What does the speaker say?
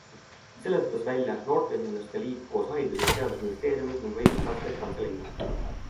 Selle töötas välja noorteühenduste liit koos haridus- ja teadusministeeriumi ning õiguskantsleri kantseleiga.